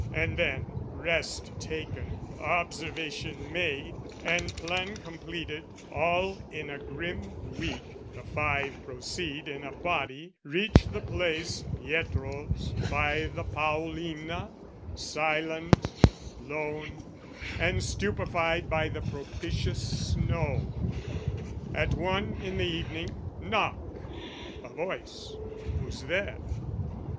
And then, rest taken, observation made And plan completed, all in a grim week, The five proceed in a body, reach the place, Pietro's, by the Paolina, silent, lone, And stupefied by the propitious snow, At one in the evening: knock: a voice "Who's there?"